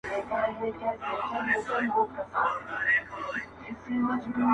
د خلکو په خولو کي کله کله يادېږي بې ځنډه,